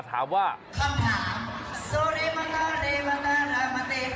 คำถามโซเลมันธาเลวันธารามะเต้ต่อ